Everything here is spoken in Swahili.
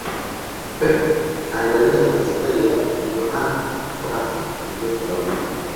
pep anaendeleza staili ya Johan Crufy iliyosahaulika